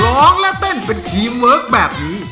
ร้องและเต้นเป็นทีมเวิร์คแบบนี้